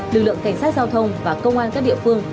lực lượng cảnh sát giao thông và công an các địa phương